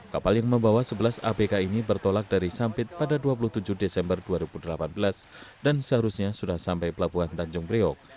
kapal yang membawa sebelas abk ini bertolak dari sampit pada dua puluh tujuh desember dua ribu delapan belas dan seharusnya sudah sampai pelabuhan tanjung priok